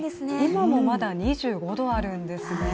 今もまだ２５度あるんですね。